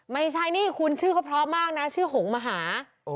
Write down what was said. ไม่ใช่นี่คุณชื่อเขาเพราะมากนะชื่อหงมหา